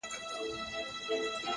پوهه د انسان ارزښت لوړوي!